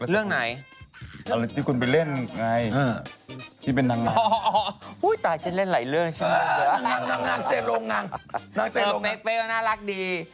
เรียบไฟต์เตอร์โซ่ก็น่ารักดี